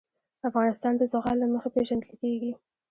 افغانستان د زغال له مخې پېژندل کېږي.